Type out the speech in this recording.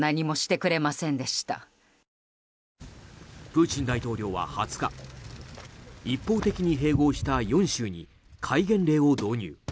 プーチン大統領は２０日一方的に併合した４州に戒厳令を導入。